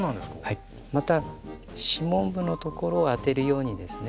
また指紋部のところを当てるようにですね